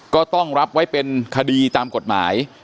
ก็ต้องรับไว้เป็นคดีตามกฎหมาย